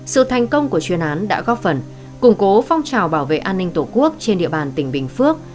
sự thành công của chuyên án đã góp phần củng cố phong trào bảo vệ an ninh tổ quốc